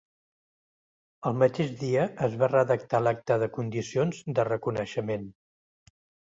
El mateix dia es va redactar l'acta de condicions de reconeixement.